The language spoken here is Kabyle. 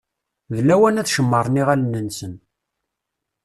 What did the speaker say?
D lawan ad cemmṛen iɣallen-nsen.